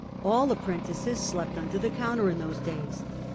All apprentices slept under the counter in those days.